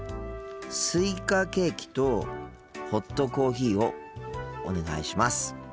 スイカケーキとホットコーヒーをお願いします。